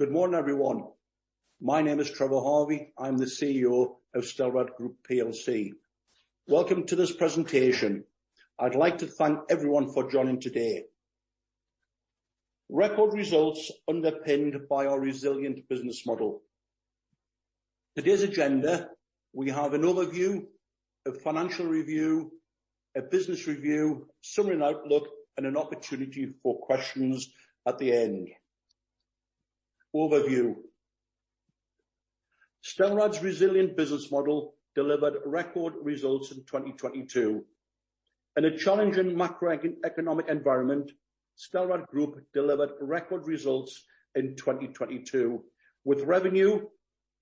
Good morning, everyone. My name is Trevor Harvey. I'm the CEO of Stelrad Group PLC. Welcome to this presentation. I'd like to thank everyone for joining today. Record results underpinned by our resilient business model. Today's agenda, we have an overview, a financial review, a business review, summary and outlook, and an opportunity for questions at the end. Overview. Stelrad's resilient business model delivered record results in 2022. In a challenging macroeconomic environment, Stelrad Group delivered record results in 2022, with revenue,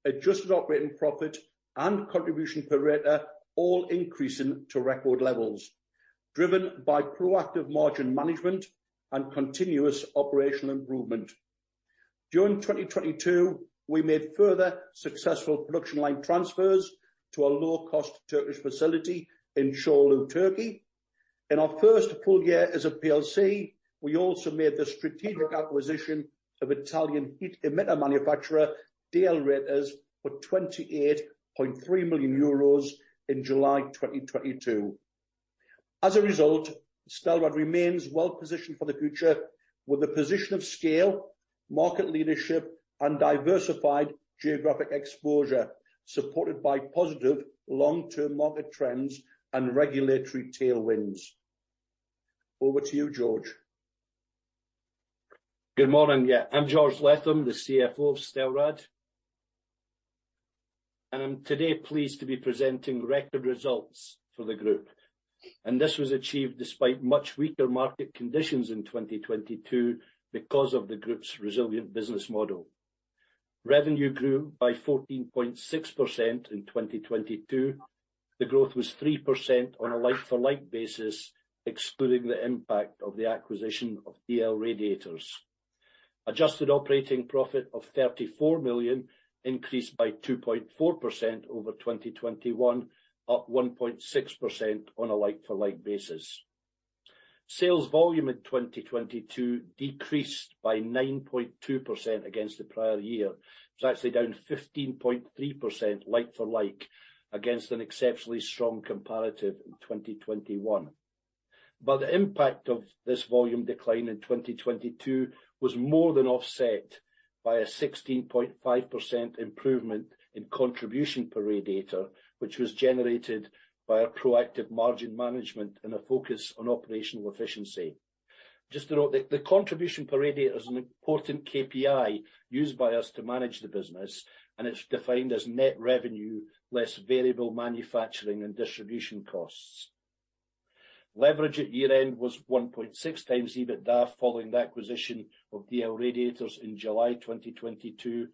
adjusted operating profit, and contribution per radiator all increasing to record levels, driven by proactive margin management and continuous operational improvement. During 2022, we made further successful production line transfers to our low-cost Turkish facility in Çorlu, Turkey. In our first full year as a PLC, we also made the strategic acquisition of Italian heat emitter manufacturer, DL Radiators, for 28.3 million euros in July 2022. As a result, Stelrad remains well-positioned for the future with a position of scale, market leadership, and diversified geographic exposure, supported by positive long-term market trends and regulatory tailwinds. Over to you, George. Good morning. Yeah, I'm George Letham, the CFO of Stelrad. I'm today pleased to be presenting record results for the group. This was achieved despite much weaker market conditions in 2022 because of the group's resilient business model. Revenue grew by 14.6% in 2022. The growth was 3% on a like-for-like basis, excluding the impact of the acquisition of DL Radiators. Adjusted operating profit of 34 million increased by 2.4% over 2021, up 1.6% on a like-for-like basis. Sales volume in 2022 decreased by 9.2% against the prior year. It's actually down 15.3% like-for-like against an exceptionally strong comparative in 2021. The impact of this volume decline in 2022 was more than offset by a 16.5% improvement in contribution per radiator, which was generated by a proactive margin management and a focus on operational efficiency. Just to note, the contribution per radiator is an important KPI used by us to manage the business, and it's defined as net revenue less variable manufacturing and distribution costs. Leverage at year-end was 1.6 times EBITDA following the acquisition of DL Radiators in July 2022,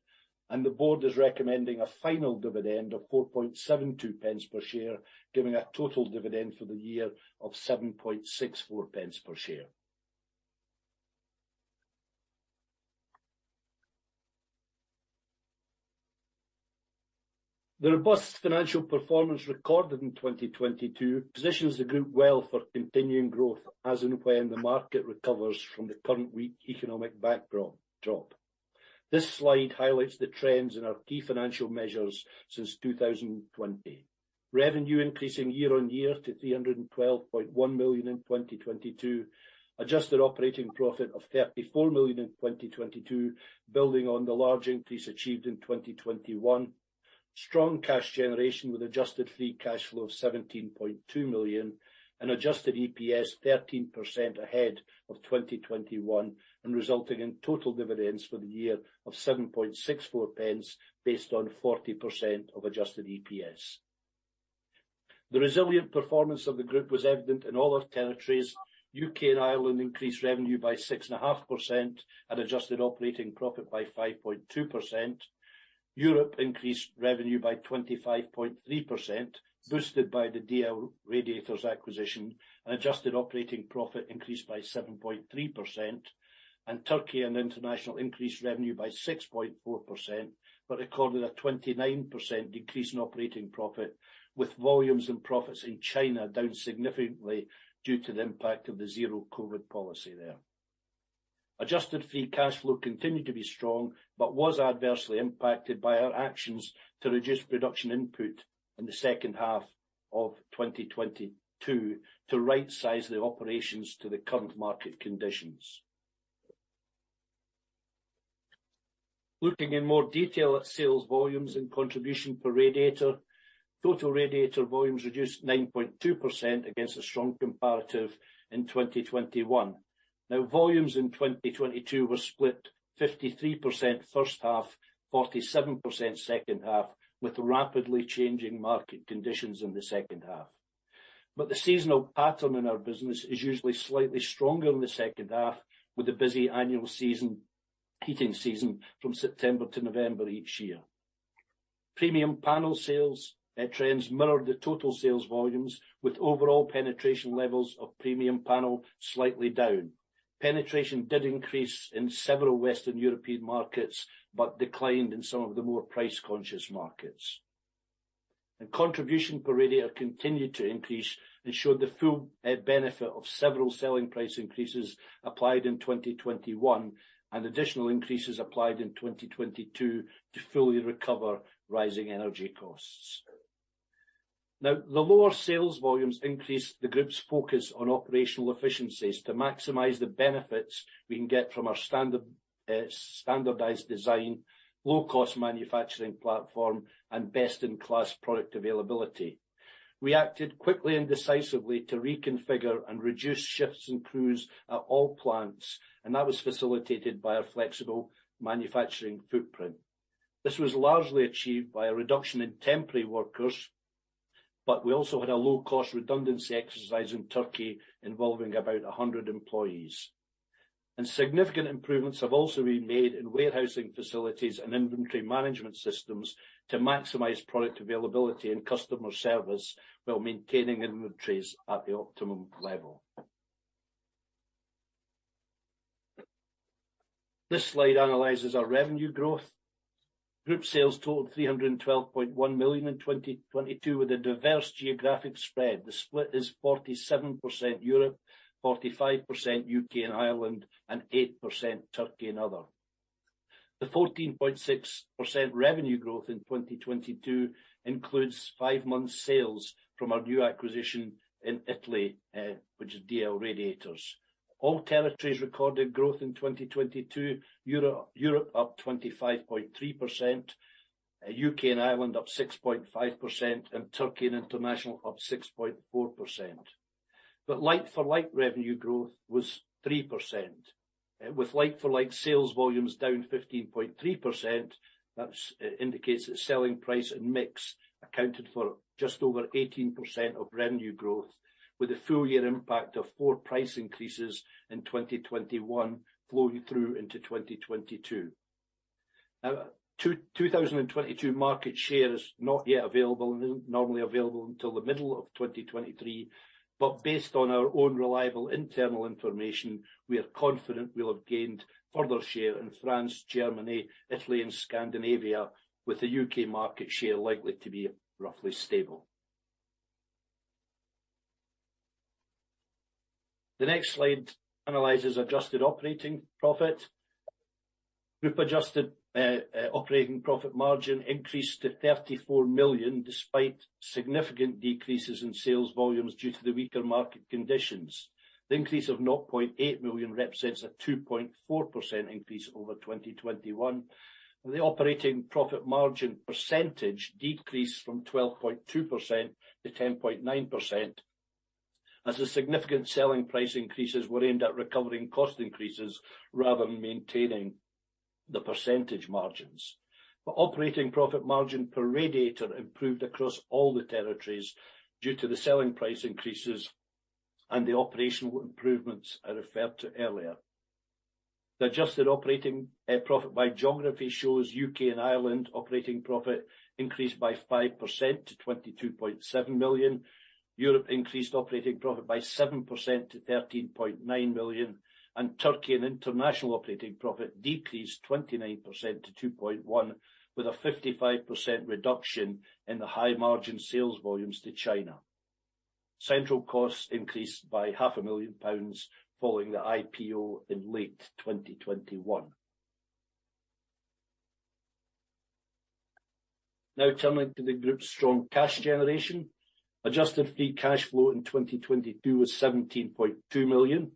and the board is recommending a final dividend of 4.72 pence per share, giving a total dividend for the year of 7.64 pence per share. The robust financial performance recorded in 2022 positions the group well for continuing growth as and when the market recovers from the current weak economic backdrop. This slide highlights the trends in our key financial measures since 2020. Revenue increasing year-on-year to 312.1 million in 2022. Adjusted operating profit of 34 million in 2022, building on the large increase achieved in 2021. Strong cash generation with adjusted free cash flow of 17.2 million and adjusted EPS 13% ahead of 2021 and resulting in total dividends for the year of 7.64 pence based on 40% of adjusted EPS. The resilient performance of the group was evident in all our territories. U.K. and Ireland increased revenue by 6.5% and adjusted operating profit by 5.2%. Europe increased revenue by 25.3%, boosted by the DL Radiators acquisition, and adjusted operating profit increased by 7.3%. Turkey and International increased revenue by 6.4% but recorded a 29% decrease in operating profit, with volumes and profits in China down significantly due to the impact of the zero-COVID policy there. Adjusted free cash flow continued to be strong but was adversely impacted by our actions to reduce production input in the second half of 2022 to rightsize the operations to the current market conditions. Looking in more detail at sales volumes and contribution per radiator, total radiator volumes reduced 9.2% against a strong comparative in 2021. Volumes in 2022 were split 53% first half, 47% second half, with rapidly changing market conditions in the second half. The seasonal pattern in our business is usually slightly stronger in the second half, with a busy annual season, heating season from September to November each year. Premium panel sales, trends mirrored the total sales volumes, with overall penetration levels of premium panel slightly down. Penetration did increase in several Western European markets, but declined in some of the more price-conscious markets. Contribution per radiator continued to increase and showed the full benefit of several selling price increases applied in 2021, and additional increases applied in 2022 to fully recover rising energy costs. Now the lower sales volumes increased the group's focus on operational efficiencies to maximize the benefits we can get from our standard, standardized design, low-cost manufacturing platform, and best-in-class product availability. We acted quickly and decisively to reconfigure and reduce shifts and crews at all plants, and that was facilitated by our flexible manufacturing footprint. This was largely achieved by a reduction in temporary workers, but we also had a low-cost redundancy exercise in Turkey involving about 100 employees. Significant improvements have also been made in warehousing facilities and inventory management systems to maximize product availability and customer service while maintaining inventories at the optimum level. This slide analyzes our revenue growth. Group sales totaled 312.1 million in 2022 with a diverse geographic spread. The split is 47% Europe, 45% U.K. and Ireland, and 8% Turkey and other. The 14.6% revenue growth in 2022 includes 5 months sales from our new acquisition in Italy, which is DL Radiators. All territories recorded growth in 2022. Europe up 25.3%, U.K. and Ireland up 6.5%, Turkey and International up 6.4%. Like-for-like revenue growth was 3%, with like-for-like sales volumes down 15.3%. That indicates that selling price and mix accounted for just over 18% of revenue growth, with the full year impact of four price increases in 2021 flowing through into 2022. 2022 market share is not yet available and isn't normally available until the middle of 2023. Based on our own reliable internal information, we are confident we'll have gained further share in France, Germany, Italy, and Scandinavia, with the U.K. market share likely to be roughly stable. The next slide analyzes adjusted operating profit. Group adjusted operating profit margin increased to 34 million, despite significant decreases in sales volumes due to the weaker market conditions. The increase of 0.8 million represents a 2.4% increase over 2021, the operating profit margin percentage decreased from 12.2% to 10.9% as the significant selling price increases were aimed at recovering cost increases rather than maintaining the percentage margins. Operating profit margin per radiator improved across all the territories due to the selling price increases and the operational improvements I referred to earlier. The adjusted operating profit by geography shows U.K. and Ireland operating profit increased by 5% to 22.7 million, Europe increased operating profit by 7% to 13.9 million, Turkey and International operating profit decreased 29% to 2.1 million with a 55% reduction in the high margin sales volumes to China. Central costs increased by half a million pounds following the IPO in late 2021. Turning to the group's strong cash generation. Adjusted free cash flow in 2022 was 17.2 million.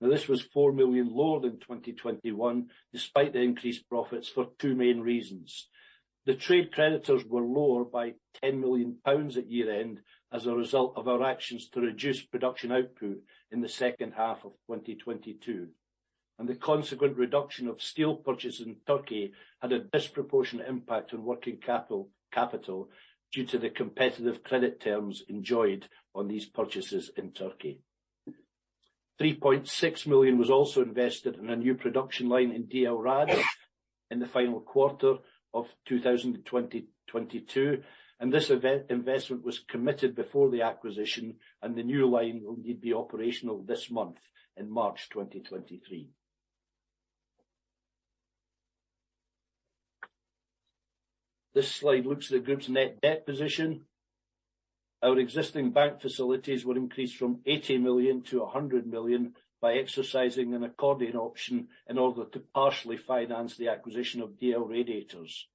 This was 4 million lower than 2021 despite the increased profits for two main reasons. The trade creditors were lower by 10 million pounds at year-end as a result of our actions to reduce production output in the second half of 2022. The consequent reduction of steel purchase in Turkey had a disproportionate impact on working capital due to the competitive credit terms enjoyed on these purchases in Turkey. 3.6 million was also invested in a new production line in DL Rad in the final quarter of 2022. This investment was committed before the acquisition and the new line will be operational this month in March 2023. This slide looks at the group's net debt position. Our existing bank facilities were increased from 80 million to 100 million by exercising an accordion option in order to partially finance the acquisition of DL Radiators.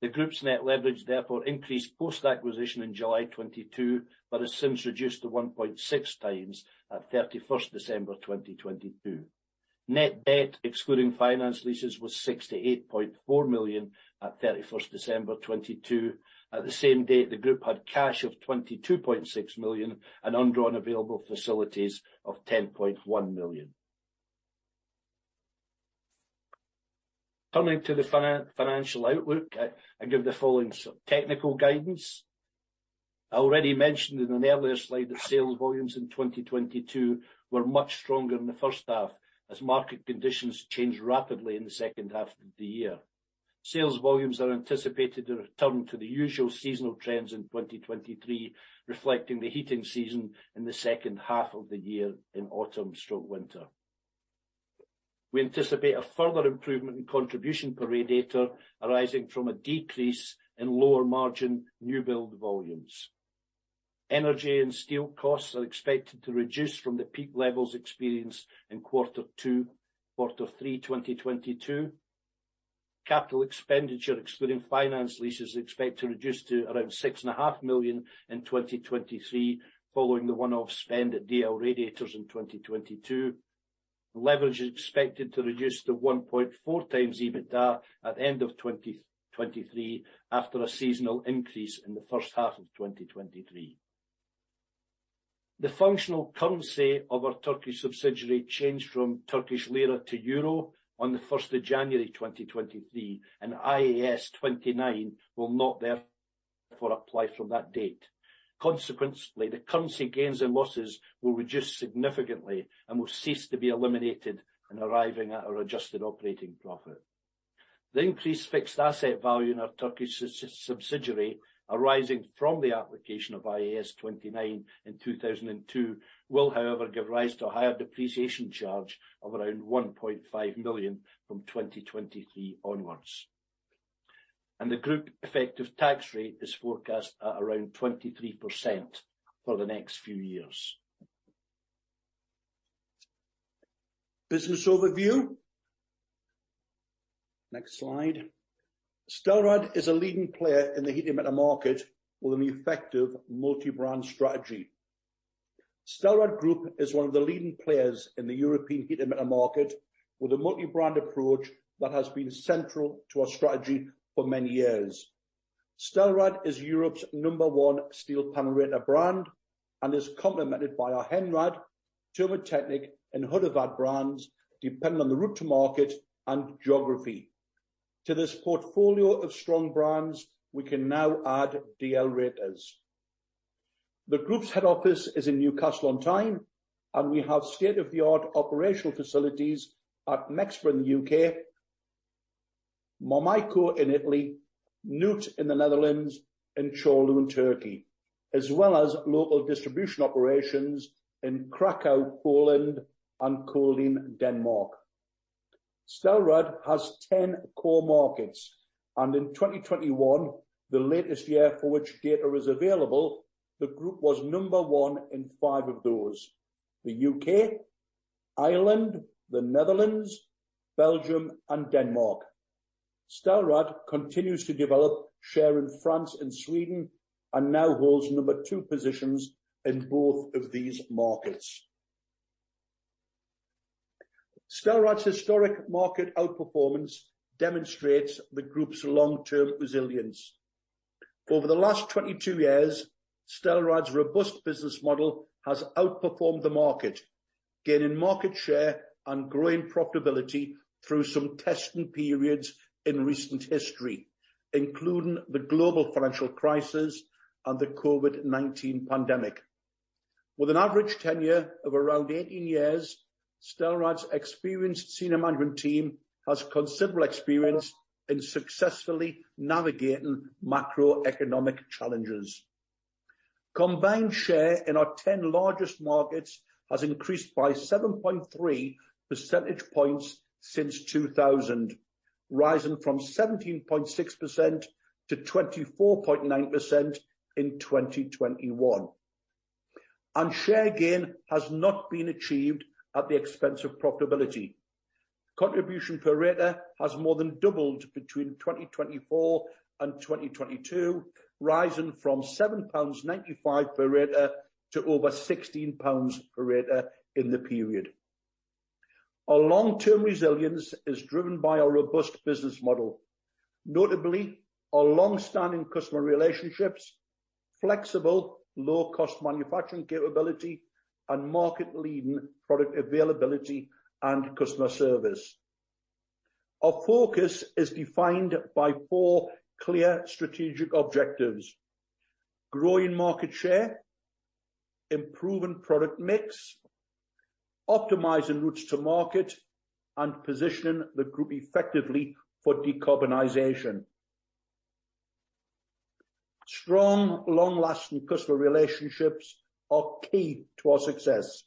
The group's net leverage therefore increased post-acquisition in July 2022, but has since reduced to 1.6 times at 31st December 2022. Net debt excluding finance leases was 68.4 million at 31st December 2022. At the same date, the group had cash of 22.6 million and undrawn available facilities of 10.1 million. Turning to the financial outlook, I give the following sort of technical guidance. I already mentioned in an earlier slide that sales volumes in 2022 were much stronger in the first half as market conditions changed rapidly in the second half of the year. Sales volumes are anticipated to return to the usual seasonal trends in 2023, reflecting the heating season in the second half of the year in autumn stroke winter. We anticipate a further improvement in contribution per radiator arising from a decrease in lower margin new build volumes. Energy and steel costs are expected to reduce from the peak levels experienced in quarter two, quarter three 2022. Capital expenditure, excluding finance leases, is expected to reduce to around 6.5 million in 2023, following the one-off spend at DL Radiators in 2022. Leverage is expected to reduce to 1.4x EBITDA at the end of 2023, after a seasonal increase in the first half of 2023. The functional currency of our Turkey subsidiary changed from Turkish lira to euro on the 1st of January 2023, and IAS 29 will not therefore apply from that date. Consequently, the currency gains and losses will reduce significantly and will cease to be eliminated in arriving at our adjusted operating profit. The increased fixed asset value in our Turkish subsidiary arising from the application of IAS 29 in 2002 will, however, give rise to a higher depreciation charge of around 1.5 million from 2023 onwards. The group effective tax rate is forecast at around 23% for the next few years. Business overview. Next slide. Stelrad is a leading player in the heating metal market with an effective multi-brand strategy. Stelrad Group is one of the leading players in the European heating metal market with a multi-brand approach that has been central to our strategy for many years. Stelrad is Europe's number-one steel panel radiator brand and is complemented by our Henrad, Termo Teknik, and Hudevad brands, depending on the route to market and geography. To this portfolio of strong brands, we can now add DL Radiators. The group's head office is in Newcastle on Tyne. We have state-of-the-art operational facilities at Mexborough in the U.K., Moimacco in Italy, Nuth in the Netherlands, and Çorlu in Turkey, as well as local distribution operations in Kraków, Poland and Kolding, Denmark. Stelrad has 10 core markets. In 2021, the latest year for which data is available, the group was number one in five of those: the U.K., Ireland, the Netherlands, Belgium, and Denmark. Stelrad continues to develop share in France and Sweden and now holds number 2 positions in both of these markets. Stelrad's historic market outperformance demonstrates the group's long-term resilience. Over the last 22 years, Stelrad's robust business model has outperformed the market, gaining market share and growing profitability through some testing periods in recent history, including the global financial crisis and the COVID-19 pandemic. With an average tenure of around 18 years, Stelrad's experienced senior management team has considerable experience in successfully navigating macroeconomic challenges. Combined share in our 10 largest markets has increased by 7.3 percentage points since 2000, rising from 17.6% to 24.9% in 2021. Share gain has not been achieved at the expense of profitability. Contribution per radiator has more than doubled between 2024 and 2022, rising from GBP 7.95 per radiator to over GBP 16 per radiator in the period. Our long-term resilience is driven by our robust business model, notably our long-standing customer relationships, flexible, low-cost manufacturing capability, and market-leading product availability and customer service. Our focus is defined by 4 clear strategic objectives: growing market share, improving product mix, optimizing routes to market, and positioning the group effectively for decarbonization. Strong, long-lasting customer relationships are key to our success.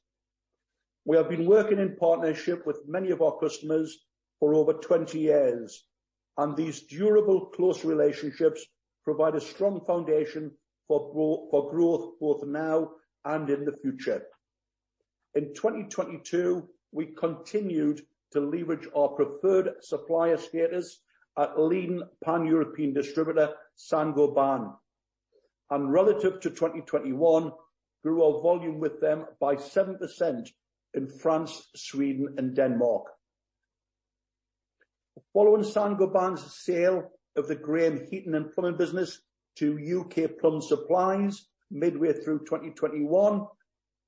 We have been working in partnership with many of our customers for over 20 years, and these durable close relationships provide a strong foundation for growth, both now and in the future. In 2022, we continued to leverage our preferred supplier status at leading pan-European distributor Saint-Gobain, and relative to 2021, grew our volume with them by 7% in France, Sweden, and Denmark. Following Saint-Gobain's sale of the Graham heating and plumbing business to U.K. Plumbing Supplies midway through 2021,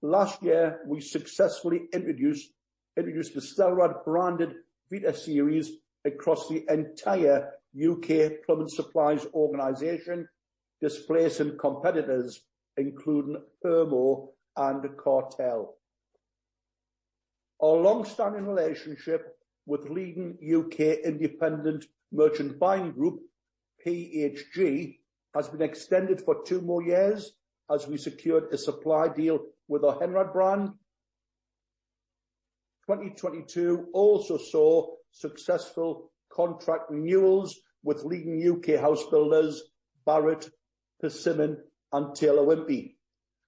last year, we successfully introduced the Stelrad-branded Vita series across the entire U.K. Plumbing Supplies organization, displacing competitors including Thermor and Kartell. Our long-standing relationship with leading U.K. independent merchant buying group PHG has been extended for 2 more years as we secured a supply deal with our Henrad brand. 2022 also saw successful contract renewals with leading U.K. housebuilders, Barratt, Persimmon, and Taylor Wimpey,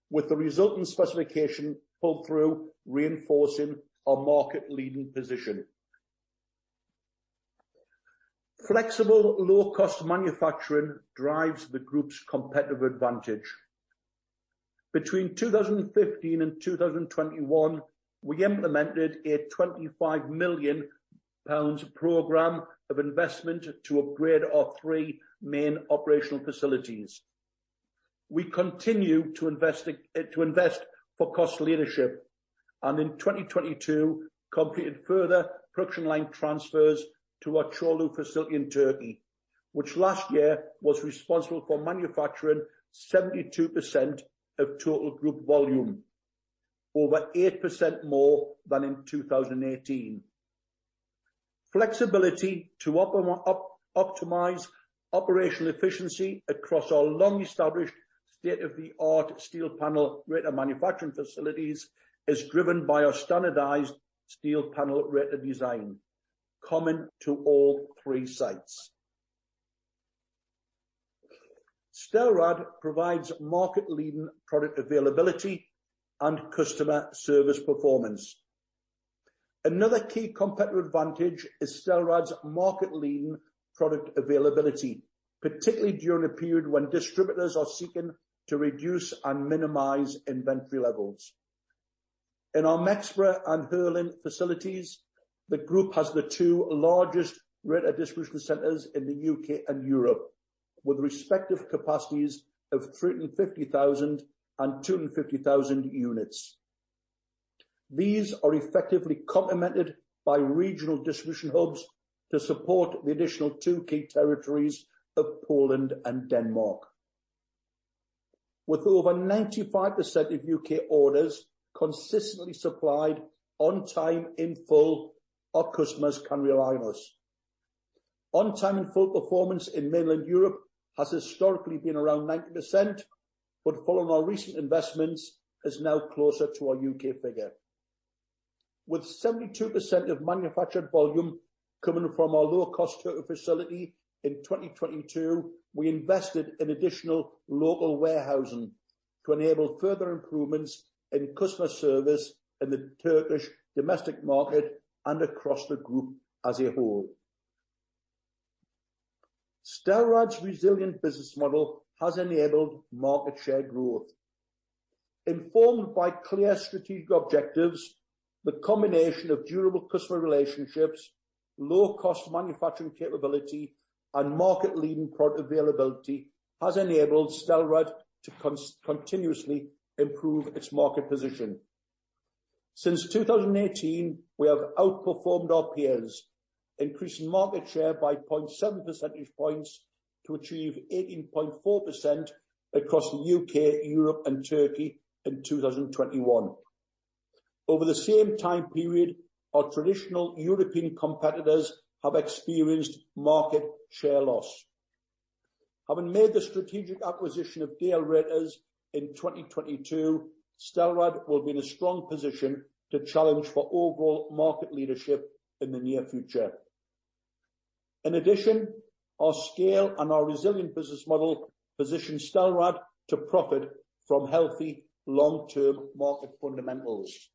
with the resultant specification pull through reinforcing our market leading position. Flexible low cost manufacturing drives the group's competitive advantage. Between 2015 and 2021, we implemented a 25 million pounds program of investment to upgrade our three main operational facilities. We continue to invest for cost leadership, and in 2022 completed further production line transfers to our Çorlu facility in Turkey, which last year was responsible for manufacturing 72% of total group volume, over 8% more than in 2018. Flexibility to optimize operational efficiency across our long-established state-of-the-art steel panel radiator manufacturing facilities is driven by our standardized steel panel radiator design, common to all three sites. Stelrad provides market leading product availability and customer service performance. Another key competitive advantage is Stelrad's market leading product availability, particularly during a period when distributors are seeking to reduce and minimize inventory levels. In our Mexborough and Heerlen facilities, the group has the two largest radiator distribution centers in the U.K. and Europe, with respective capacities of 350,000 and 250,000 units. These are effectively complemented by regional distribution hubs to support the additional two key territories of Poland and Denmark. With over 95% of U.K. orders consistently supplied on time in full, our customers can rely on us. On time and full performance in mainland Europe has historically been around 90%, following our recent investments, is now closer to our U.K. figure. With 72% of manufactured volume coming from our lower cost Turkey facility in 2022, we invested in additional local warehousing to enable further improvements in customer service in the Turkish domestic market and across the group as a whole. Stelrad's resilient business model has enabled market share growth. Informed by clear strategic objectives, the combination of durable customer relationships, low cost manufacturing capability, and market leading product availability has enabled Stelrad to continuously improve its market position. Since 2018, we have outperformed our peers, increasing market share by 0.7 percentage points to achieve 18.4% across the U.K., Europe, and Turkey in 2021. Over the same time period, our traditional European competitors have experienced market share loss. Having made the strategic acquisition of DL Radiators in 2022, Stelrad will be in a strong position to challenge for overall market leadership in the near future. In addition, our scale and our resilient business model position Stelrad to profit from healthy long-term market fundamentals.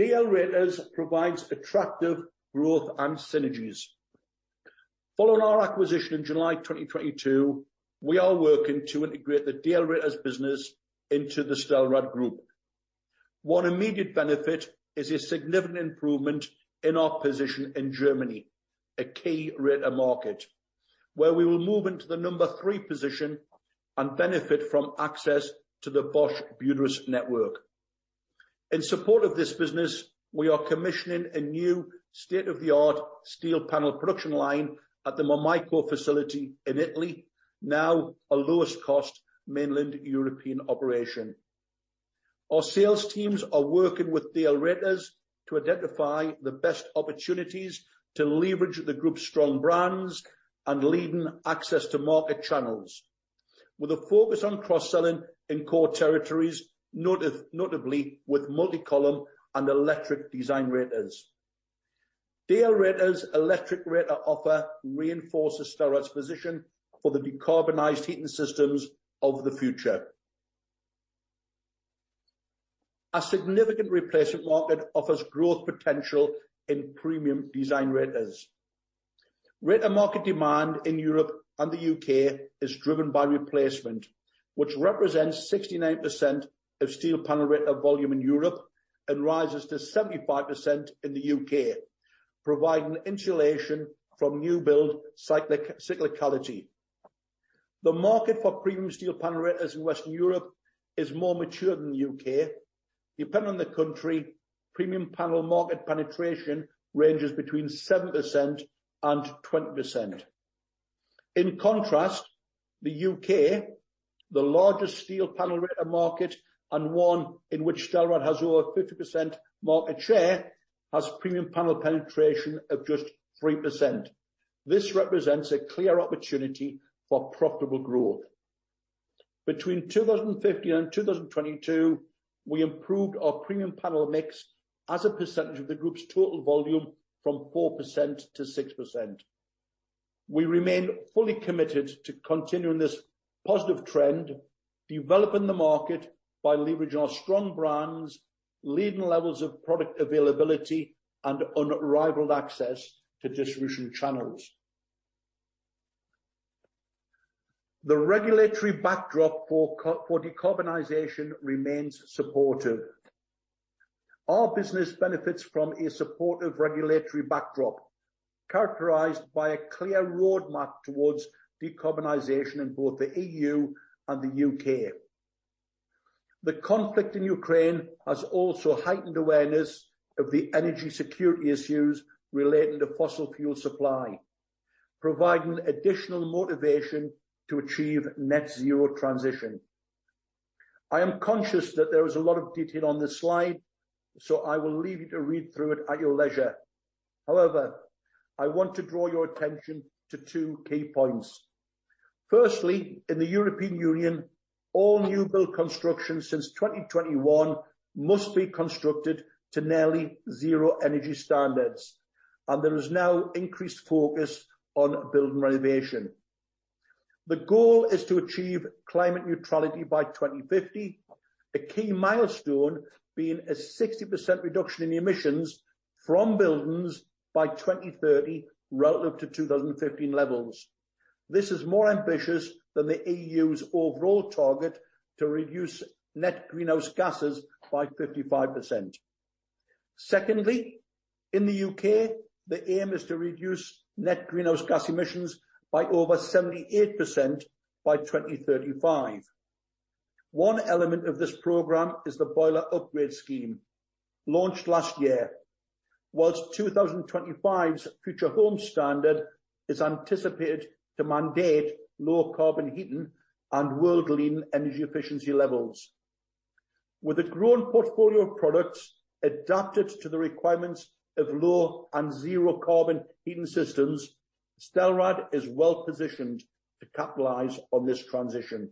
DL Radiators provides attractive growth and synergies. Following our acquisition in July 2022, we are working to integrate the DL Radiators business into the Stelrad Group. One immediate benefit is a significant improvement in our position in Germany, a key radiator market, where we will move into the number three position and benefit from access to the Bosch Buderus network. In support of this business, we are commissioning a new state-of-the-art steel panel production line at the Moimacco facility in Italy, now our lowest cost mainland European operation. Our sales teams are working with DL Radiators to identify the best opportunities to leverage the group's strong brands and leading access to market channels with a focus on cross-selling in core territories, notably with multi-column and electric design radiators. DL Radiators electric radiator offer reinforces Stelrad's position for the decarbonized heating systems of the future. A significant replacement market offers growth potential in premium design radiators. Radiator market demand in Europe and the U.K. is driven by replacement, which represents 69% of steel panel radiator volume in Europe and rises to 75% in the U.K., providing insulation from new build cyclicality. The market for premium steel panel radiators in Western Europe is more mature than the U.K. Depending on the country, premium panel market penetration ranges between 7% and 20%. In contrast, the U.K., the largest steel panel radiator market and one in which Stelrad has over 50% market share, has premium panel penetration of just 3%. This represents a clear opportunity for profitable growth. Between 2015 and 2022, we improved our premium panel mix as a percentage of the group's total volume from 4% to 6%. We remain fully committed to continuing this positive trend, developing the market by leveraging our strong brands, leading levels of product availability and unrivaled access to distribution channels. The regulatory backdrop for decarbonization remains supportive. Our business benefits from a supportive regulatory backdrop characterized by a clear roadmap towards decarbonization in both the EU and the U.K. The conflict in Ukraine has also heightened awareness of the energy security issues relating to fossil fuel supply, providing additional motivation to achieve Net Zero transition. I am conscious that there is a lot of detail on this slide, so I will leave you to read through it at your leisure. However, I want to draw your attention to two key points. Firstly, in the European Union, all new build construction since 2021 must be constructed to nearly zero energy standards, and there is now increased focus on building renovation. The goal is to achieve climate neutrality by 2050. A key milestone being a 60% reduction in emissions from buildings by 2030 relative to 2015 levels. This is more ambitious than the EU's overall target to reduce net greenhouse gases by 55%. In the U.K., the aim is to reduce net greenhouse gas emissions by over 78% by 2035. One element of this program is the Boiler Upgrade Scheme launched last year. Whilst 2025's Future Homes Standard is anticipated to mandate low carbon heating and world-leading energy efficiency levels. With a growing portfolio of products adapted to the requirements of low and zero carbon heating systems, Stelrad is well-positioned to capitalize on this transition.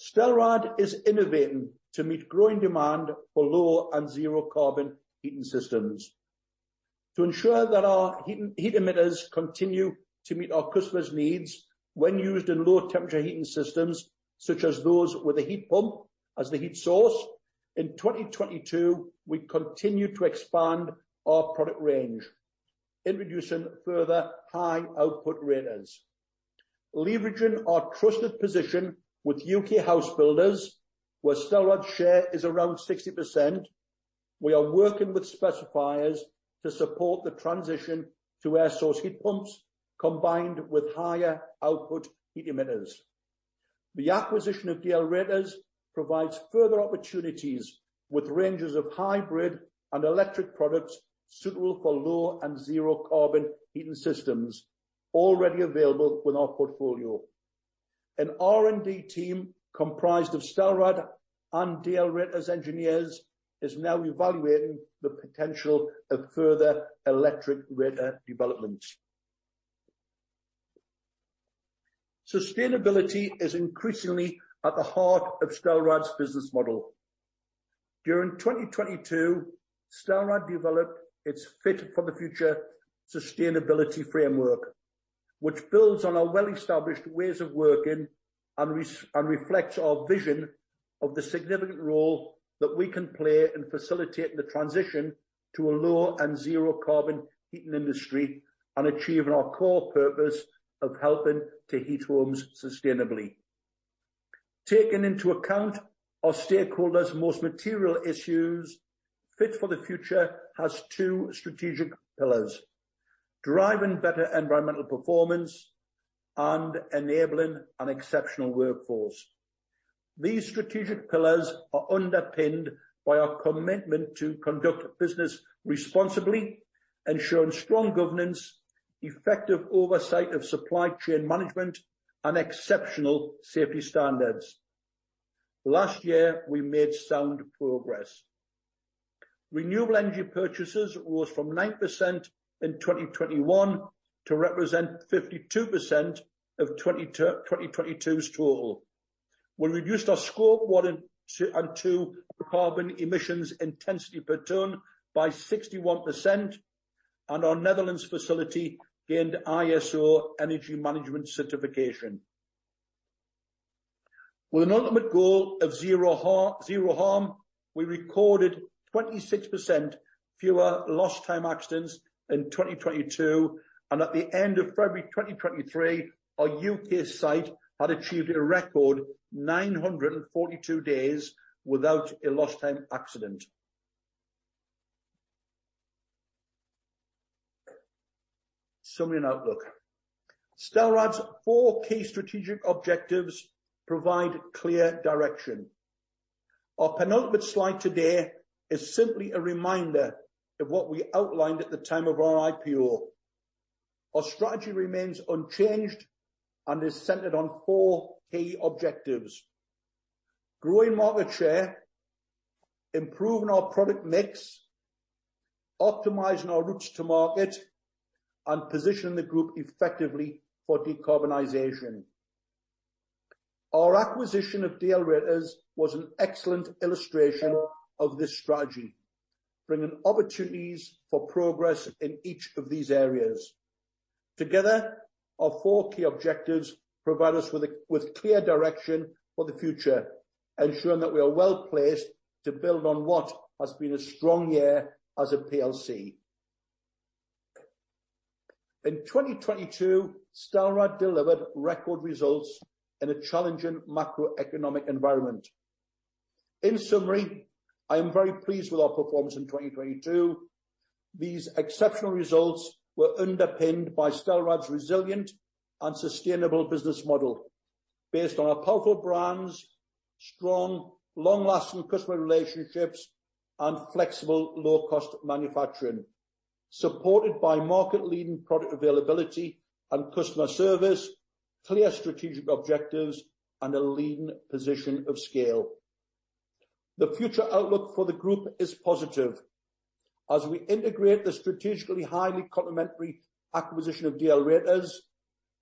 Stelrad is innovating to meet growing demand for low and zero carbon heating systems. To ensure that our heat emitters continue to meet our customers' needs when used in low temperature heating systems, such as those with a heat pump as the heat source, in 2022, we continued to expand our product range, introducing further high output radiators. Leveraging our trusted position with U.K. housebuilders, where Stelrad share is around 60%, we are working with specifiers to support the transition to air source heat pumps combined with higher output heat emitters. The acquisition of DL Radiators provides further opportunities with ranges of hybrid and electric products suitable for low and zero carbon heating systems already available with our portfolio. An R&D team comprised of Stelrad and DL Radiators engineers is now evaluating the potential of further electric radiator developments. Sustainability is increasingly at the heart of Stelrad's business model. During 2022, Stelrad developed its Fit for the Future sustainability framework, which builds on our well-established ways of working and reflects our vision of the significant role that we can play in facilitating the transition to a low and zero carbon heating industry and achieving our core purpose of helping to heat homes sustainably. Taking into account our stakeholders' most material issues, Fit for the Future has two strategic pillars: driving better environmental performance and enabling an exceptional workforce. These strategic pillars are underpinned by our commitment to conduct business responsibly, ensuring strong governance, effective oversight of supply chain management, and exceptional safety standards. Last year, we made sound progress. Renewable energy purchases rose from 9% in 2021 to represent 52% of 2022's total. We reduced our Scope 1 and 2 carbon emissions intensity per ton by 61%, and our Netherlands facility gained ISO energy management certification. With an ultimate goal of zero harm, we recorded 26% fewer lost time accidents in 2022, and at the end of February 2023, our U.K. site had achieved a record 942 days without a lost time accident. Summary and outlook. Stelrad's four key strategic objectives provide clear direction. Our penultimate slide today is simply a reminder of what we outlined at the time of our IPO. Our strategy remains unchanged and is centered on four key objectives: growing market share, improving our product mix, optimizing our routes to market, and positioning the group effectively for decarbonization. Our acquisition of DL Radiators was an excellent illustration of this strategy, bringing opportunities for progress in each of these areas. Together, our four key objectives provide us with clear direction for the future, ensuring that we are well-placed to build on what has been a strong year as a PLC. In 2022, Stelrad delivered record results in a challenging macroeconomic environment. In summary, I am very pleased with our performance in 2022. These exceptional results were underpinned by Stelrad's resilient and sustainable business model based on our powerful brands, strong, long-lasting customer relationships, and flexible, low-cost manufacturing, supported by market-leading product availability and customer service, clear strategic objectives, and a leading position of scale. The future outlook for the group is positive as we integrate the strategically highly complementary acquisition of DL Radiators,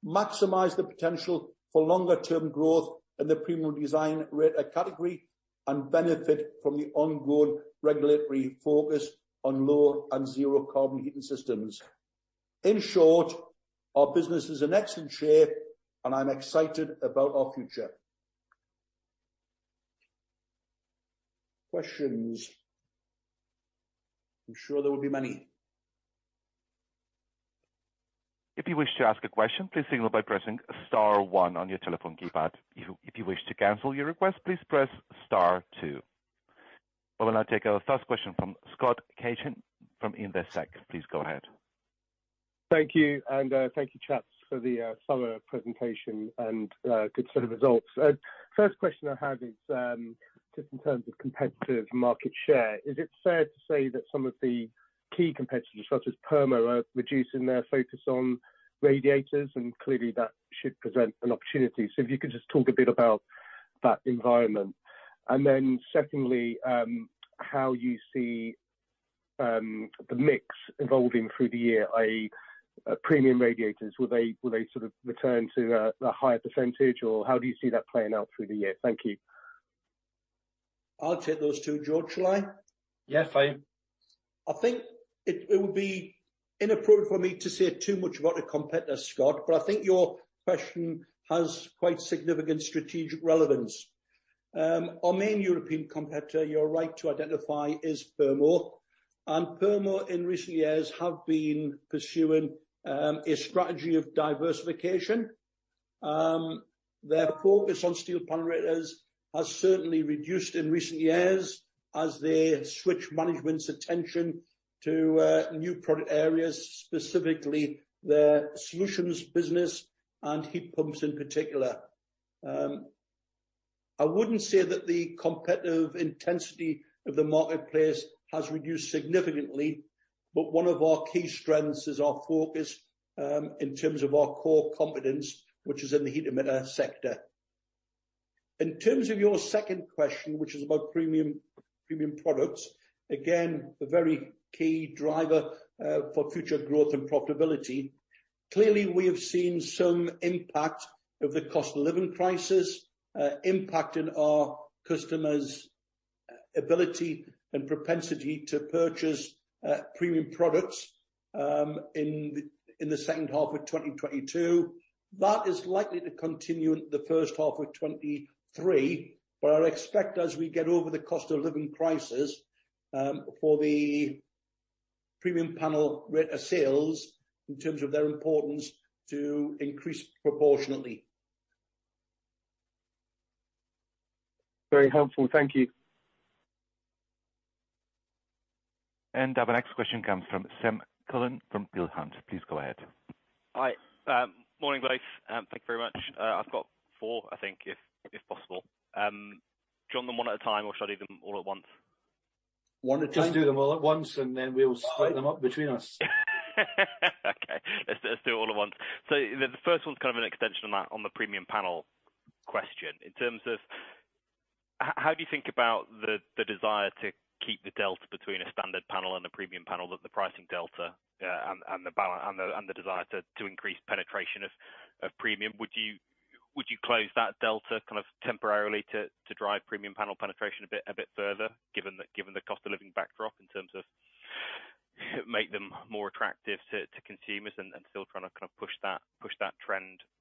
maximize the potential for longer-term growth in the premium design radiator category, and benefit from the ongoing regulatory focus on low and zero carbon heating systems. In short, our business is in excellent shape, and I'm excited about our future. Questions? I'm sure there will be many. If you wish to ask a question, please signal by pressing star one on your telephone keypad. If you wish to cancel your request, please press star two. We will now take our first question from Scott Cagehin from Investec. Please go ahead. Thank you, and thank you, chaps, for the summer presentation and good set of results. First question I have is, just in terms of competitive market share, is it fair to say that some of the key competitors, such as Purmo, are reducing their focus on radiators? Clearly, that should present an opportunity. If you could just talk a bit about that environment. Secondly, how you see the mix evolving through the year, i.e., premium radiators. Will they sort of return to a higher percentage, or how do you see that playing out through the year? Thank you. I'll take those two, George. Shall I? Yes, fine. I think it would be inappropriate for me to say too much about a competitor, Scott, but I think your question has quite significant strategic relevance. Our main European competitor, you're right to identify, is Purmo. Purmo in recent years have been pursuing, a strategy of diversification. Their focus on steel panel radiators has certainly reduced in recent years as they switch management's attention to, new product areas, specifically their solutions business and heat pumps in particular. I wouldn't say that the competitive intensity of the marketplace has reduced significantly, but one of our key strengths is our focus, in terms of our core competence, which is in the heat emitter sector. In terms of your second question, which is about premium products, again, a very key driver, for future growth and profitability. Clearly, we have seen some impact of the cost of living crisis, impacting our customers' ability and propensity to purchase, premium products, in the second half of 2022. That is likely to continue into the first half of 2023. I expect as we get over the cost of living crisis, for the premium panel radiator sales, in terms of their importance, to increase proportionately. Very helpful. Thank you. Our next question comes from Sam Cullen from Berenberg. Please go ahead. Hi. Morning, guys. Thank you very much. I've got four, I think, if possible. Do you want them one at a time, or should I do them all at once? One at a time. Just do them all at once, and then we'll split them up between us. Okay. Let's do it all at once. The first one's kind of an extension on that, on the premium panel question. In terms of how do you think about the desire to keep the delta between a standard panel and a premium panel, the pricing delta, and the desire to increase penetration of premium? Would you close that delta kind of temporarily to drive premium panel penetration a bit further, given the cost of living backdrop in terms of make them more attractive to consumers and still trying to kind of push that trend forward?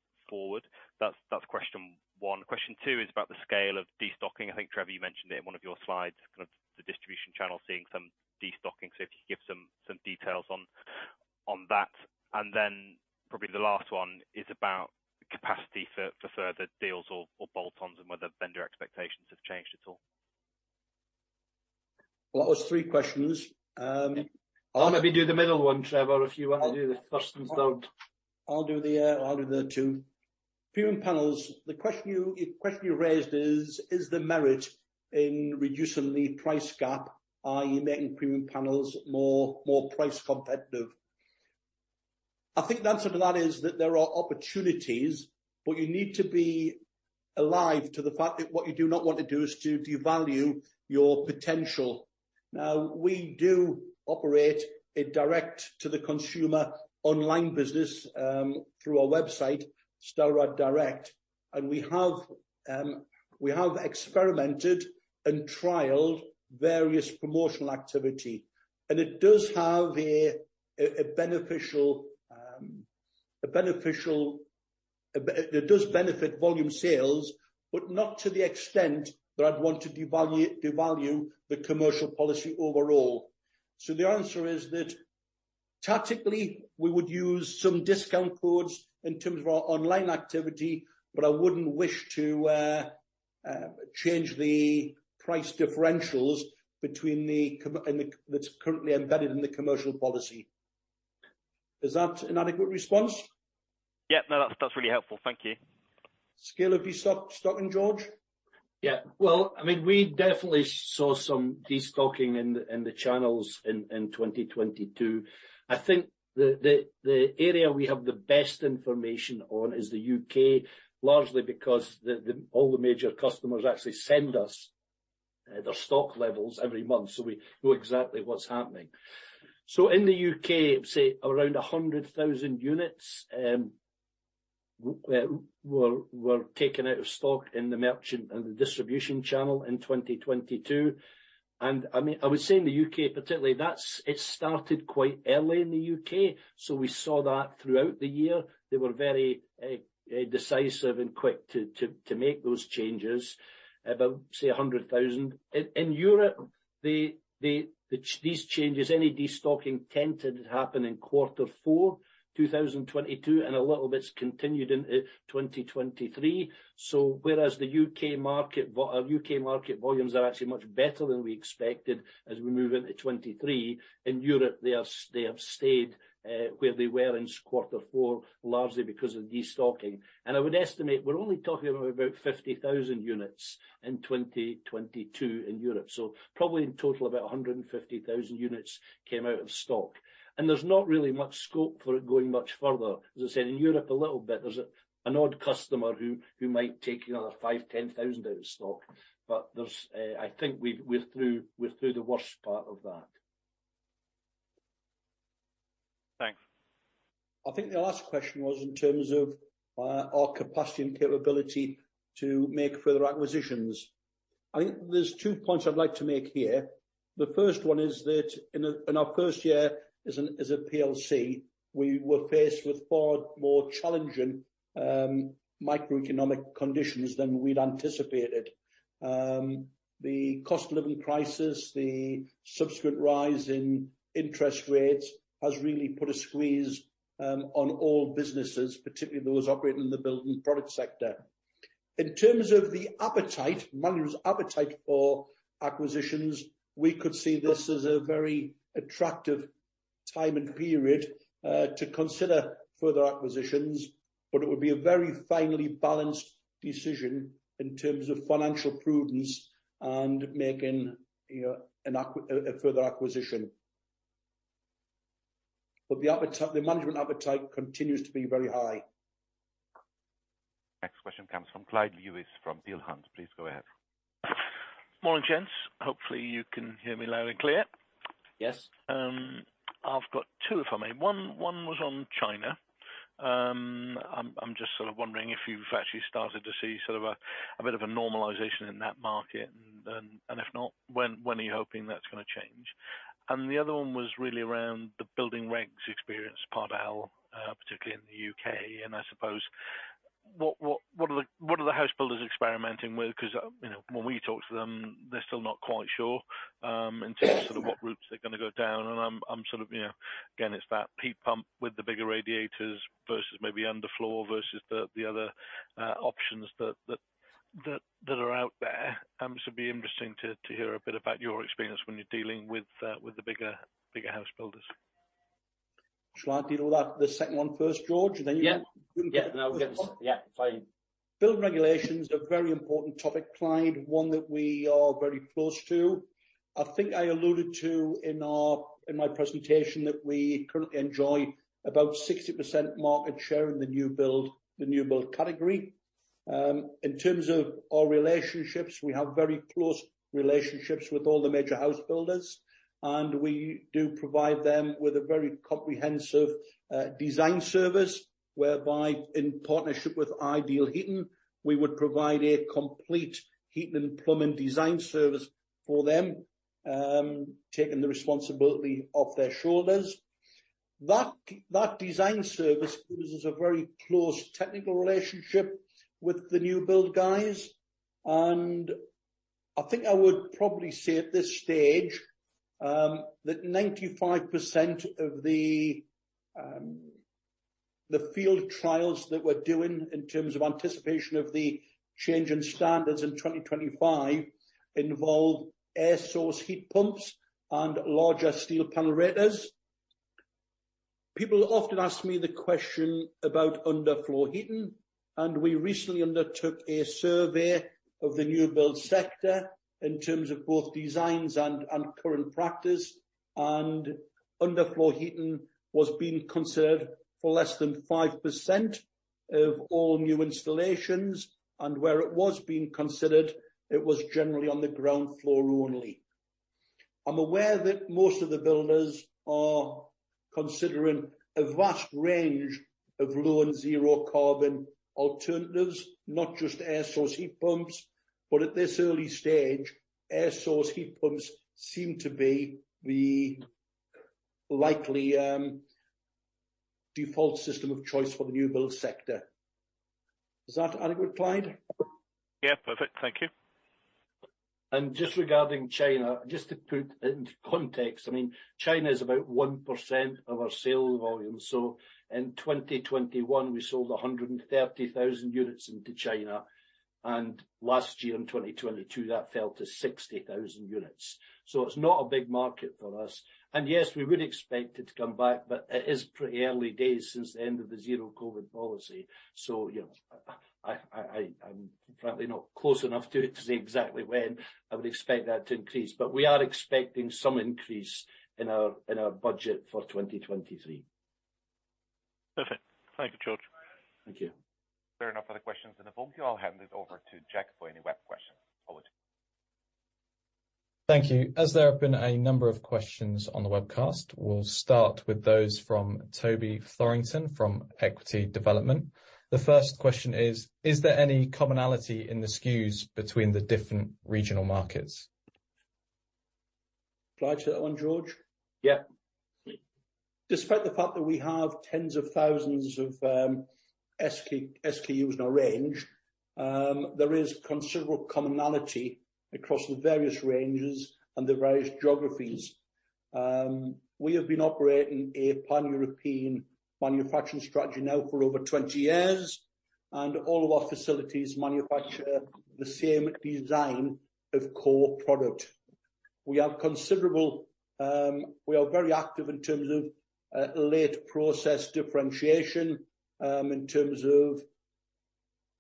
That's question one. Question two is about the scale of destocking. I think, Trevor, you mentioned it in one of your slides, kind of the distribution channel seeing some destocking. If you could give some details on that. Then probably the last one is about capacity for further deals or bolt-ons and whether vendor expectations have changed at all. That was three questions. I'll maybe do the middle one, Trevor, if you wanna do the first and third. I'll do the two. Premium panels. The question you raised is: Is there merit in reducing the price gap? Are you making premium panels more price competitive? I think the answer to that is that there are opportunities, but you need to be alive to the fact that what you do not want to do is to devalue your potential. Now, we do operate a direct to the consumer online business through our website, Stelrad Direct. We have experimented and trialed various promotional activity, and it does have a beneficial. It does benefit volume sales, but not to the extent that I'd want to devalue the commercial policy overall. The answer is that tactically we would use some discount codes in terms of our online activity, but I wouldn't wish to change the price differentials between That's currently embedded in the commercial policy. Is that an adequate response? Yeah. No, that's really helpful. Thank you. Scale of destocking, George? Yeah. Well, I mean, we definitely saw some destocking in the channels in 2022. I think the area we have the best information on is the U.K., largely because all the major customers actually send us their stock levels every month, so we know exactly what's happening. In the U.K., say around 100,000 units were taken out of stock in the merchant and the distribution channel in 2022. I mean, I would say in the U.K. particularly, it started quite early in the U.K. We saw that throughout the year. They were very decisive and quick to make those changes, about say 100,000. In Europe, the... ...these changes, any destocking tended to happen in Q4 2022 and a little bit's continued into 2023. Whereas the U.K. market volumes are actually much better than we expected as we move into 2023. In Europe they have stayed where they were in Q4, largely because of destocking. I would estimate we're only talking about 50,000 units in 2022 in Europe. Probably in total about 150,000 units came out of stock. There's not really much scope for it going much further. As I said, in Europe a little bit. There's an odd customer who might take another 5,000-10,000 out of stock. There's I think we've we're through the worst part of that. Thanks. I think the last question was in terms of our capacity and capability to make further acquisitions. I think there's two points I'd like to make here. The first one is that in our first year as a PLC, we were faced with far more challenging microeconomic conditions than we'd anticipated. The cost of living crisis, the subsequent rise in interest rates has really put a squeeze on all businesses, particularly those operating in the building product sector. In terms of the appetite, management's appetite for acquisitions, we could see this as a very attractive time and period to consider further acquisitions, but it would be a very finely balanced decision in terms of financial prudence and making, you know, a further acquisition. But the appetite, the management appetite continues to be very high. Next question comes from Clyde Lewis from Peel Hunt. Please go ahead. Morning, gents. Hopefully you can hear me loud and clear. Yes. I've got two if I may. One was on China. I'm just sort of wondering if you've actually started to see sort of a bit of a normalization in that market and if not, when are you hoping that's gonna change? The other one was really around the building regs experience, Part L, particularly in the U.K. and I suppose what are the house builders experimenting with? 'Cause, you know, when we talk to them, they're still not quite sure in terms of what routes they're gonna go down and I'm sort of, you know. Again, it's that heat pump with the bigger radiators versus maybe underfloor versus the other options that are out there. It'd be interesting to hear a bit about your experience when you're dealing with the bigger house builders. Shall I deal with that, the second one first, George, and then you. Yeah. Yeah. No. You can come in. Yeah, fine. Building regulations are a very important topic, Clyde, one that we are very close to. I think I alluded to in my presentation that we currently enjoy about 60% market share in the new build category. In terms of our relationships, we have very close relationships with all the major housebuilders, and we do provide them with a very comprehensive design service whereby in partnership with Ideal Heating, we would provide a complete heating and plumbing design service for them, taking the responsibility off their shoulders. That design service gives us a very close technical relationship with the new build guys. I think I would probably say at this stage that 95% of the field trials that we're doing in terms of anticipation of the change in standards in 2025 involve air source heat pumps and larger steel panel radiators. People often ask me the question about underfloor heating. We recently undertook a survey of the new build sector in terms of both designs and current practice. Underfloor heating was being considered for less than 5% of all new installations. Where it was being considered it was generally on the ground floor only. I'm aware that most of the builders are considering a vast range of low and zero carbon alternatives, not just air source heat pumps. At this early stage, air source heat pumps seem to be the likely default system of choice for the new build sector. Is that adequate, Clyde? Yeah, perfect. Thank you. Just regarding China, just to put into context, I mean, China is about 1% of our sales volume. In 2021, we sold 130,000 units into China, and last year in 2022, that fell to 60,000 units. It's not a big market for us. Yes, we would expect it to come back, but it is pretty early days since the end of the zero-COVID policy. You know, I'm frankly not close enough to it to say exactly when I would expect that to increase, but we are expecting some increase in our, in our budget for 2023. Perfect. Thank you, George. Thank you. There are no further questions in the phone queue. I'll hand it over to Jack for any web questions. Over to you. Thank you. As there have been a number of questions on the webcast, we'll start with those from Toby Thorrington from Equity Development. The first question is there any commonality in the SKUs between the different regional markets? Apply to that one, George? Yeah. Despite the fact that we have tens of thousands of SKUs in our range, there is considerable commonality across the various ranges and the various geographies. We have been operating a pan-European manufacturing strategy now for over 20 years, and all of our facilities manufacture the same design of core product. We are very active in terms of late-stage differentiation, in terms of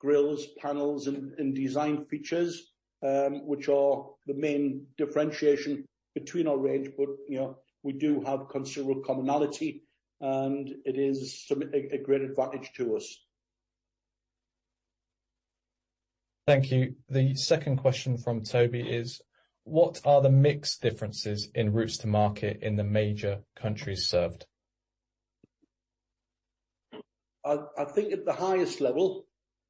grilles, panels and design features, which are the main differentiation between our range. You know, we do have considerable commonality, and it is a great advantage to us. Thank you. The second question from Toby is: What are the mix differences in routes to market in the major countries served? I think at the highest level,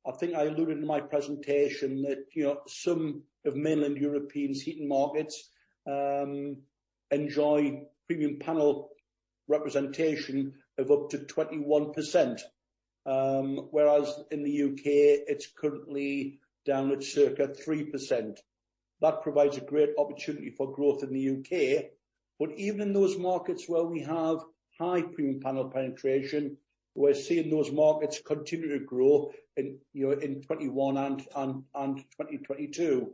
I think I alluded in my presentation that, you know, some of mainland European's heating markets enjoy premium panel representation of up to 21%, whereas in the U.K. it's currently down at circa 3%. That provides a great opportunity for growth in the U.K. Even those markets where we have high premium panel penetration, we're seeing those markets continue to grow in, you know, in 2021 and 2022.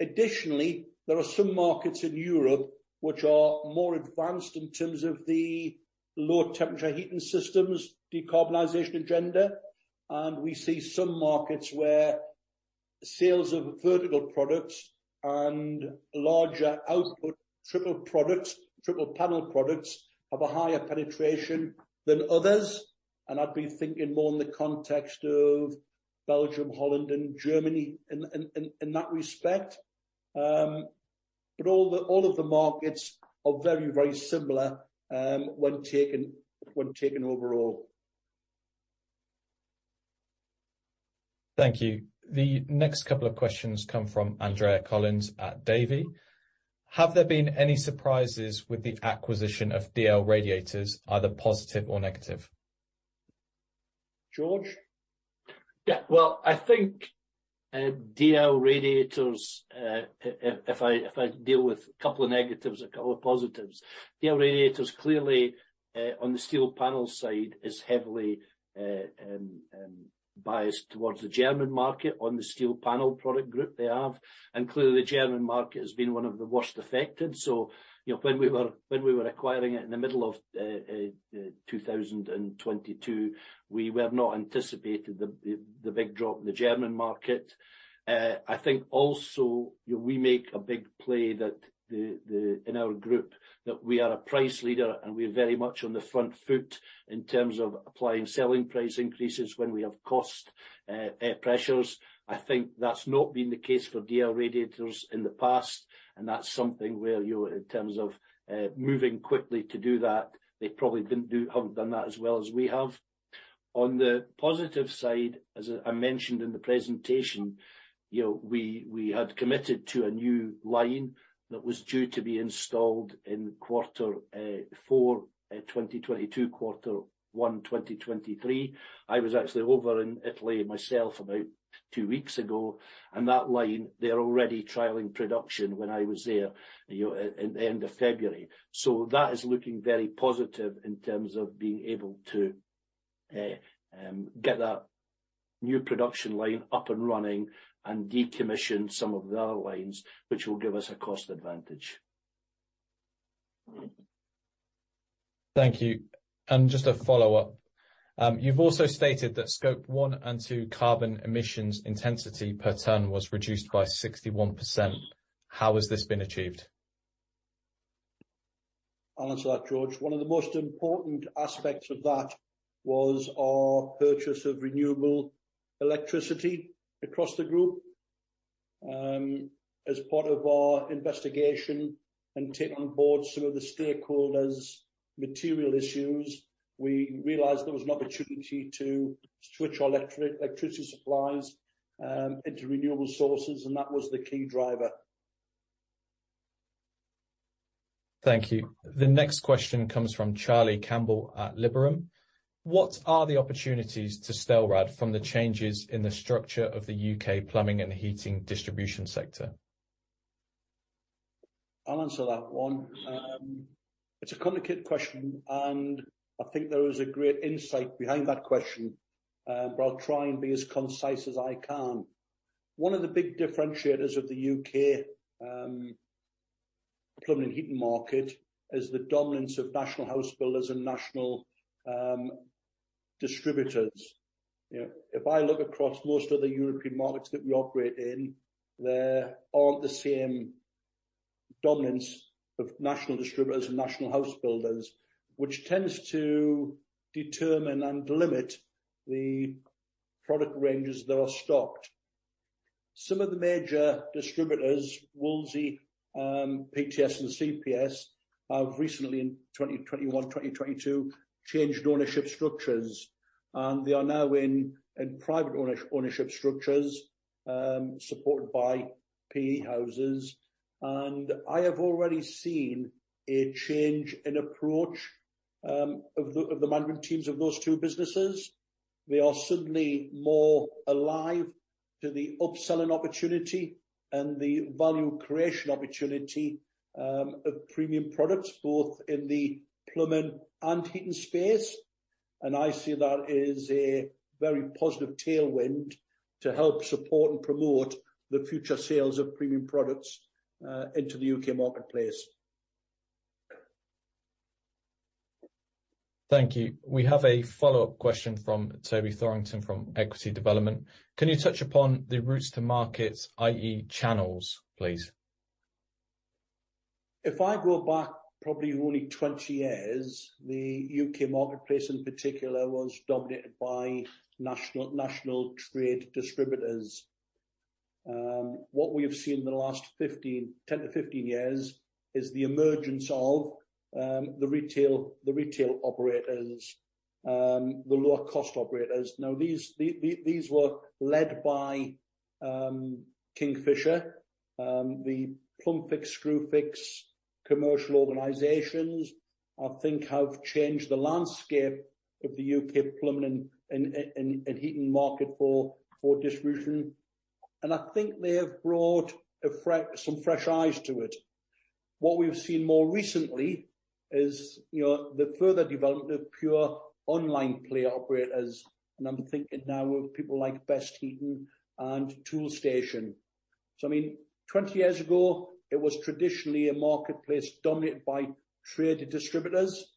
Additionally, there are some markets in Europe which are more advanced in terms of the low temperature heating systems decarbonization agenda, and we see some markets where sales of vertical products and larger output triple products, triple panel products, have a higher penetration than others. I'd be thinking more in the context of Belgium, Holland and Germany in that respect. All the, all of the markets are very, very similar, when taken, when taken overall. Thank you. The next couple of questions come from Andrea Collins at Davy. Have there been any surprises with the acquisition of DL Radiators, either positive or negative? George? Yeah. Well, I think DL Radiators, if I, if I deal with a couple of negatives, a couple of positives. DL Radiators clearly on the steel panels side is heavily biased towards the German market on the steel panel product group they have. Clearly the German market has been one of the worst affected. You know, when we were acquiring it in the middle of 2022, we were not anticipating the big drop in the German market. I think also, you know, we make a big play that in our group that we are a price leader, and we're very much on the front foot in terms of applying selling price increases when we have cost pressures. I think that's not been the case for DL Radiators in the past. That's something where, you know, in terms of moving quickly to do that, they probably haven't done that as well as we have. On the positive side, as I mentioned in the presentation, you know, we had committed to a new line that was due to be installed in quarter four, 2022, quarter 1, 2023. I was actually over in Italy myself about two weeks ago, and that line, they're already trialing production when I was there, you know, at the end of February. That is looking very positive in terms of being able to get that new production line up and running and decommission some of the other lines which will give us a cost advantage. Thank you. Just a follow-up. You've also stated that Scope 1 and 2 carbon emissions intensity per ton was reduced by 61%. How has this been achieved? I'll answer that, George. One of the most important aspects of that was our purchase of renewable electricity across the group. As part of our investigation and take on board some of the stakeholders' material issues, we realized there was an opportunity to switch our electricity supplies into renewable sources, and that was the key driver. Thank you. The next question comes from Charlie Campbell at Liberum. What are the opportunities to Stelrad from the changes in the structure of the U.K. plumbing and heating distribution sector? I'll answer that one. It's a complicated question, and I think there is a great insight behind that question. But I'll try and be as concise as I can. One of the big differentiators of the U.K., plumbing and heating market is the dominance of national housebuilders and national distributors. You know, if I look across most of the European markets that we operate in, there aren't the same dominance of national distributors and national housebuilders, which tends to determine and limit the product ranges that are stocked. Some of the major distributors, Wolseley, PTS, and CPS, have recently in 2021, 2022, changed ownership structures, and they are now in private ownership structures, supported by PE houses. I have already seen a change in approach of the management teams of those two businesses. They are suddenly more alive to the upselling opportunity and the value creation opportunity, of premium products, both in the plumbing and heating space. I see that as a very positive tailwind to help support and promote the future sales of premium products, into the U.K. marketplace. Thank you. We have a follow-up question from Toby Thorrington from Equity Development. Can you touch upon the routes to markets, i.e. channels, please? If I go back probably only 20 years, the U.K. marketplace in particular was dominated by national trade distributors. What we have seen in the last 15, 10 to 15 years is the emergence of the retail operators, the lower cost operators. Now these were led by Kingfisher, the Plumbfix, Screwfix commercial organizations, I think have changed the landscape of the U.K. plumbing and heating market for distribution. I think they have brought a fresh, some fresh eyes to it. What we've seen more recently is, you know, the further development of pure online player operators, and I'm thinking now of people like BestHeating and Toolstation. I mean, 20 years ago, it was traditionally a marketplace dominated by trade distributors.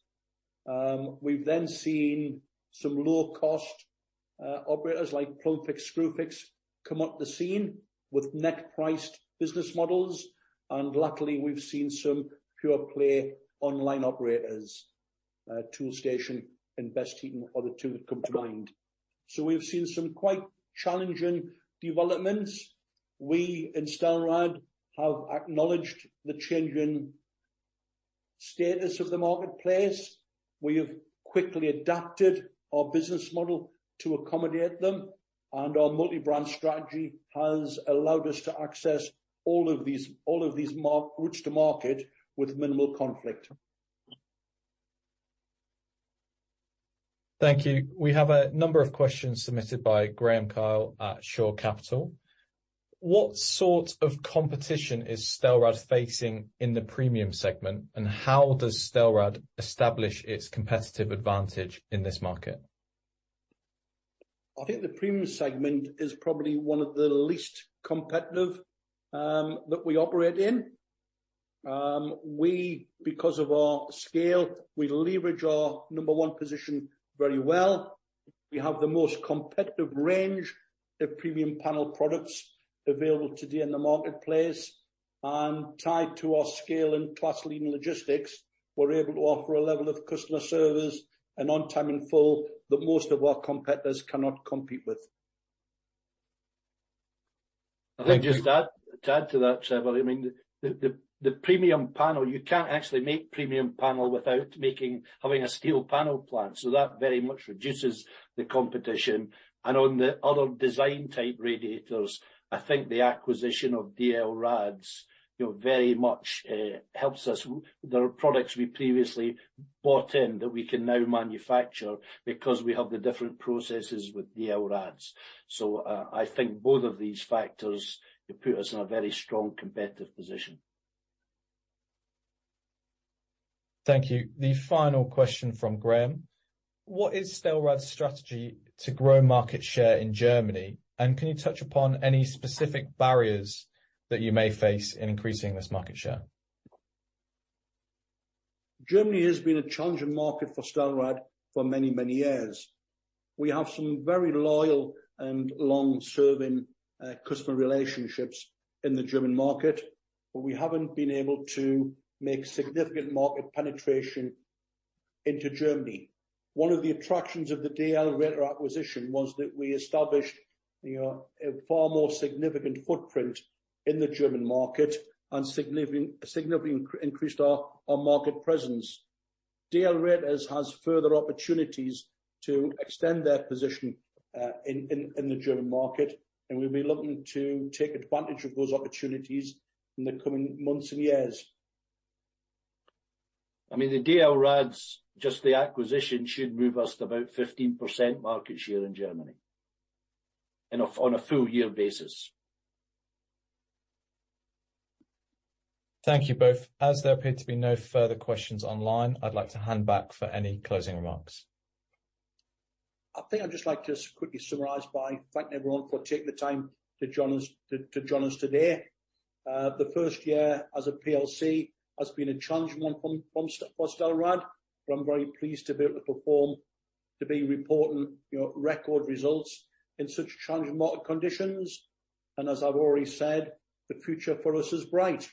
We've then seen some low-cost operators like Plumbfix, Screwfix, come on the scene with net priced business models, and lately we've seen some pure play online operators, Toolstation and BestHeating are the two that come to mind. We've seen some quite challenging developments. We in Stelrad have acknowledged the change in status of the marketplace. We have quickly adapted our business model to accommodate them, and our multi-brand strategy has allowed us to access all of these routes to market with minimal conflict. Thank you. We have a number of questions submitted by Graeme Kyle at Shore Capital. What sort of competition is Stelrad facing in the premium segment, and how does Stelrad establish its competitive advantage in this market? I think the premium segment is probably one of the least competitive that we operate in. We, because of our scale, we leverage our number one position very well. We have the most competitive range of premium panel products available today in the marketplace. Tied to our scale and class-leading logistics, we're able to offer a level of customer service and on time in full that most of our competitors cannot compete with. If I can just add to that, Trevor, I mean, the premium panel, you can't actually make premium panel without having a steel panel plant. That very much reduces the competition. On the other design type radiators, I think the acquisition of DL Radiators, you know, very much helps us. There are products we previously bought in that we can now manufacture because we have the different processes with DL Radiators. I think both of these factors put us in a very strong competitive position. Thank you. The final question from Graham: What is Stelrad's strategy to grow market share in Germany, and can you touch upon any specific barriers that you may face in increasing this market share? Germany has been a challenging market for Stelrad for many, many years. We have some very loyal and long-serving customer relationships in the German market. We haven't been able to make significant market penetration into Germany. One of the attractions of the DL Radiator acquisition was that we established, you know, a far more significant footprint in the German market and significantly increased our market presence. DL Radiators has further opportunities to extend their position in the German market. We'll be looking to take advantage of those opportunities in the coming months and years. I mean, the DL Radiators, just the acquisition should move us to about 15% market share in Germany on a full year basis. Thank you both. As there appear to be no further questions online, I'd like to hand back for any closing remarks. I think I'd just like to quickly summarize by thanking everyone for taking the time to join us today. The first year as a PLC has been a challenging one for Stelrad, but I'm very pleased to be reporting, you know, record results in such challenging market conditions. As I've already said, the future for us is bright.